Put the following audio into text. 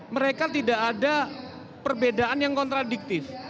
mereka tidak ada perbedaan yang kontradiktif